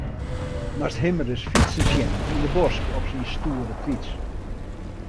Moatst him ris fytsen sjen yn 'e bosk op syn stoere fyts.